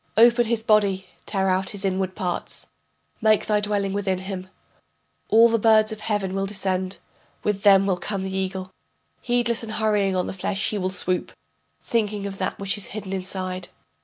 Open his body, tear out his inward parts, Make thy dwelling within him. All the birds of heaven will descend, with them will come the eagle, Heedless and hurrying on the flesh he will swoop, Thinking of that which is hidden inside.